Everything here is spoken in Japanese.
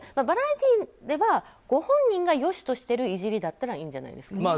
バラエティーではご本人が良しとしているいじりだったらいいんじゃないですか。